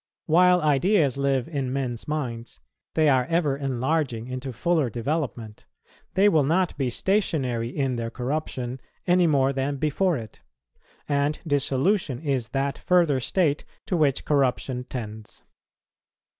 While ideas live in men's minds, they are ever enlarging into fuller development: they will not be stationary in their corruption any more than before it; and dissolution is that further state to which corruption tends.